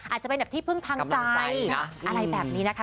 อาจจะเป็นแบบที่พึ่งทางใจอะไรแบบนี้นะคะ